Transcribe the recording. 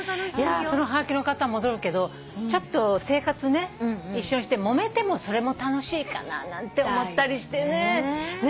そのはがきの方に戻るけどちょっと生活ね一緒にしてもめてもそれも楽しいかななんて思ったりしてね。